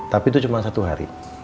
tapi itu cuma satu hari